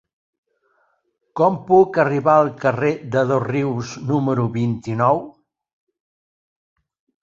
Com puc arribar al carrer de Dosrius número vint-i-nou?